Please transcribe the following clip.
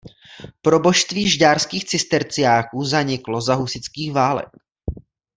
Proboštství žďárských cisterciáků zaniklo za husitských válek.